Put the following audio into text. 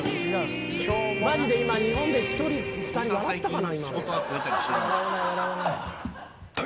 まじで今日本で１人、２人笑ったかな。